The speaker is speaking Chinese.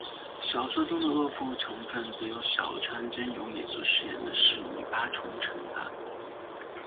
小说中的恶妇成份则由小川真由美所饰演的侍女八重承担。